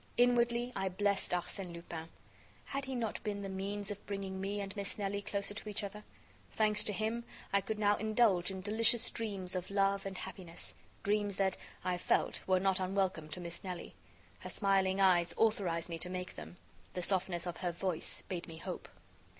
Inwardly, I blessed Arsène Lupin. Had he not been the means of bringing me and Miss Nelly closer to each other? Thanks to him, I could now indulge in delicious dreams of love and happiness dreams that, I felt, were not unwelcome to Miss Nelly. Her smiling eyes authorized me to make them; the softness of her voice bade me hope.